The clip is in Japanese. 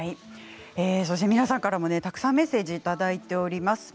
皆さんからもたくさんメッセージをいただいております。